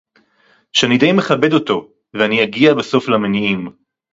שאני די מכבד אותו - ואני אגיע בסוף למניעים